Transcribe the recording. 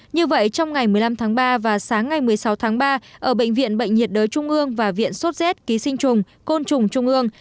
như vậy trong ngày một mươi năm tháng ba và sáng ngày một mươi sáu tháng ba ở bệnh viện bệnh nhiệt đới trung ương và viện sốt z ký sinh trùng côn trùng trung ương